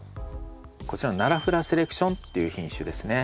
こちらのナラフラセレクションっていう品種ですね。